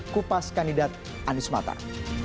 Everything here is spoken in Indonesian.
kupas kandidat anies matar